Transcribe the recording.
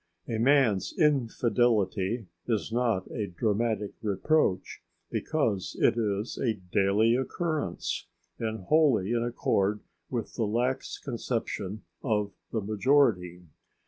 A man's infidelity is not a dramatic reproach because it is a daily occurrence and wholly in accord with the lax conception of the majority.